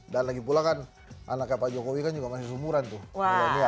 dan lagi pula kan anaknya pak jokowi kan juga masih seumuran tuh bintang